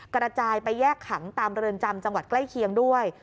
กระจายไปแยกขังตามเรือนจำจังหวัดใกล้เคียงด้วย